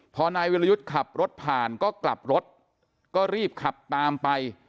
พอนายวิรยุทธ์ขับรถผ่านก็กลับรถก็รีบขับตามไป